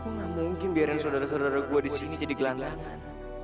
kok nggak mungkin biarin saudara saudara gue di sini jadi gelandangan